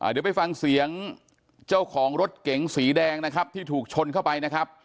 เดี๋ยวไปฟังเสียงเจ้าของรถเก๋งสีแดงนะครับที่ถูกชนเข้าไปนะครับ